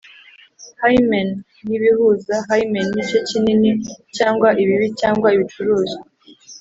hymen nibihuza: hymen nicyo kinini cyangwa ibibi cyangwa ibicuruzwa